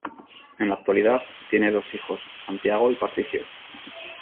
En la actualidad, tiene dos hijos, Santiago y Patricio.